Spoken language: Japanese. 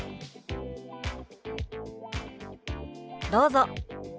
どうぞ。